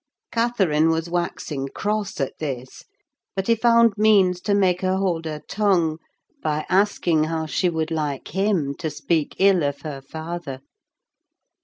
Catherine was waxing cross at this; but he found means to make her hold her tongue, by asking how she would like him to speak ill of her father?